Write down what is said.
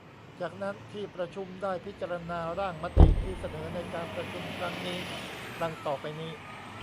จากนั้นที่ประชุมได้พิจารณาร่างมติที่เสนอในการประชุมครั้งนี้ ดังต่อไปนี้